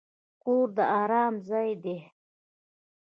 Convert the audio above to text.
کور د ارام ځای دی.